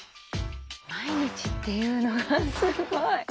毎日っていうのがすごい！